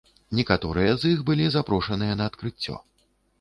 Некаторыя з іх былі запрошаныя на адкрыццё.